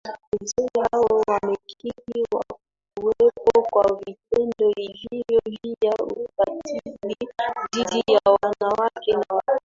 Wazee hao wamekiri kuwepo kwa vitendo hivyo vya ukatili dhidi ya wanawake na watoto